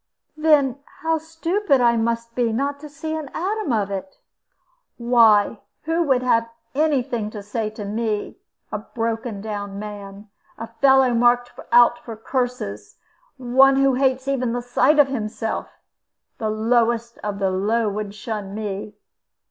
"Then how stupid I must be not to see an atom of it!" "Why, who would have any thing to say to me a broken down man, a fellow marked out for curses, one who hates even the sight of himself? The lowest of the low would shun me."